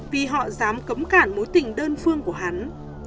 vì họ dám cấm cản mối tình đơn phương của hắn